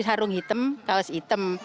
harung hitam kaos hitam